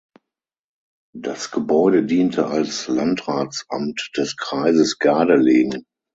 Das Gebäude diente als Landratsamt des Kreises Gardelegen.